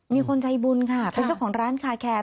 มีคนใจบุญค่ะเป็นเจ้าของร้านคาแคร์